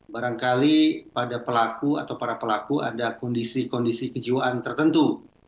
barangkali pada pelaku atau para pelaku ada kondisi kondisi kejiwaan tertentu